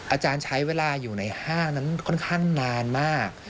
อาจารย์ใช้เวลาอยู่ในห้างนั้นค่อนข้างนานมาก